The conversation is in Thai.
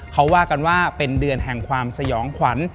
เขาว่ากันว่าเป็นเดือนแห่งความสยองขวัญ